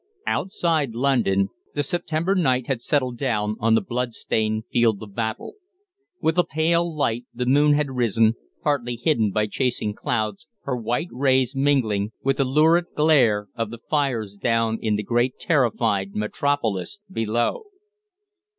Outside London the September night had settled down on the blood stained field of battle. With a pale light the moon had risen, partly hidden by chasing clouds, her white rays mingling with the lurid glare of the fires down in the great terrified Metropolis below.